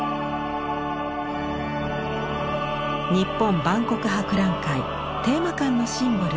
日本万国博覧会テーマ館のシンボル